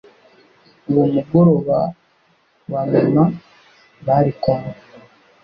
uwo mugoroba wa nyuma bari kumve.